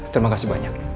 terima kasih banyak